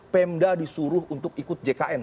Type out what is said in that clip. pemda disuruh untuk ikut jkn